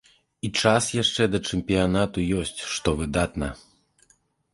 І час яшчэ да чэмпіянату ёсць, што выдатна.